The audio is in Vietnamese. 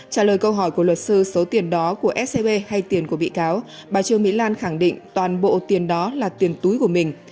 trả lời câu hỏi của luật sư số tiền đó của scb hay tiền của bị cáo bà trương mỹ lan khẳng định toàn bộ tiền đó là tiền túi của mình